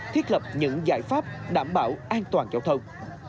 thiết lập những giải pháp đảm bảo an toàn giao thông